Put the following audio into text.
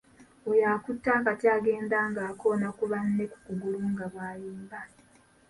Oyo akutte akati agenda ng’akoona ku banne ku kugulu nga bw'ayimba.